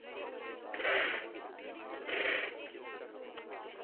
Po skončení aktivní kariéry se dál věnuje sportovní střelbě jako trenér a organizátor závodů.